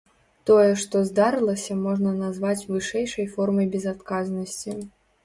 Тое, што здарылася, можна назваць вышэйшай формай безадказнасці.